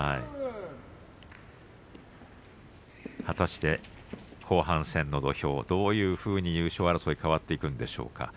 果たして後半戦の土俵どういうふうに優勝争いに加わってくるんでしょうか。